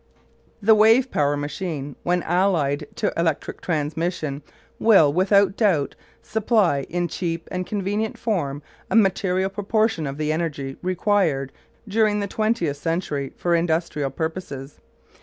The wave power machine, when allied to electric transmission, will, without doubt, supply in a cheap and convenient form a material proportion of the energy required during the twentieth century for industrial purposes.